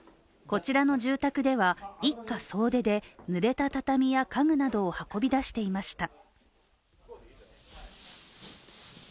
こちらの住宅では一家総出でぬれた畳や家具などを運び出していました。